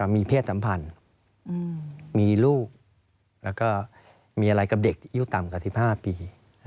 มีเพศสัมพันธ์มีลูกแล้วก็มีอะไรกับเด็กอายุต่ำกว่า๑๕ปี